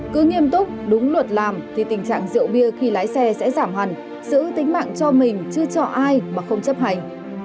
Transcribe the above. cứ nghiêm túc đúng luật làm thì tình trạng rượu bia khi lái xe sẽ giảm hẳn giữ tính mạng cho mình chưa cho ai mà không chấp hành